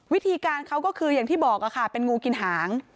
วิธีการเขาก็คืออย่างที่บอกค่ะเป็นงูกินหาง